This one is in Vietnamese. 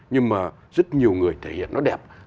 nhưng mà rất nhiều người thể hiện nó đẹp